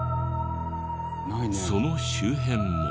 その周辺も。